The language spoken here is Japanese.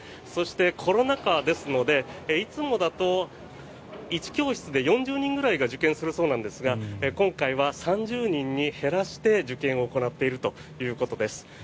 そして、コロナ禍ですのでいつもだと１教室で４０人ぐらいが受験するそうなんですが今回は３０人に減らして受験を行っているということです。